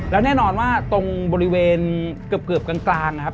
แล้วแน่นอนว่าตรงบริเวณเกือบกลางนะครับ